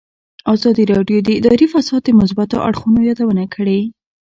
ازادي راډیو د اداري فساد د مثبتو اړخونو یادونه کړې.